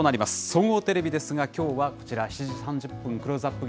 総合テレビですが、きょうはこちら、７時３０分、クローズアップ